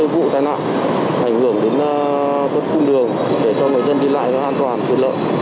vụ tai nạn ảnh hưởng đến khuôn đường để cho người dân đi lại an toàn thiệt lợi